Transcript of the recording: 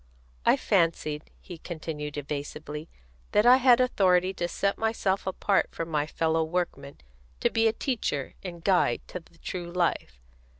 "I fancied," he continued evasively, "that I had authority to set myself apart from my fellow workmen, to be a teacher and guide to the true life.